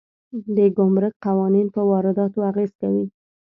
د ګمرک قوانین په وارداتو اغېز کوي.